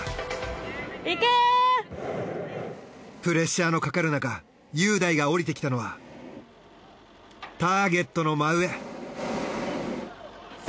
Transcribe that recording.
プレッシャーのかかるなか雄大が降りてきたのはターゲットの真上。